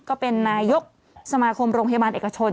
ก็เป็นนายกสมาคมโรงพยาบาลเอกชน